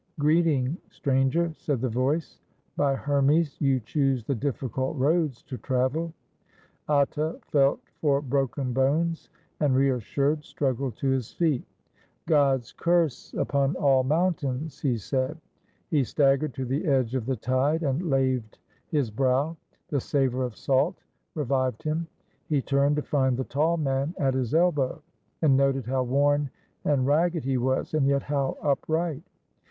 "Greeting, stranger," said the voice. "By Hermes, you choose the difficult roads to travel." Atta felt for broken bones, and, reassured, struggled to his feet. "God's curse upon all mountains," he said. He stag gered to the edge of the tide and laved his brow. The savor of salt revived him. He turned, to find the tall man at his elbow, and noted how worn and ragged he was, and yet how upright.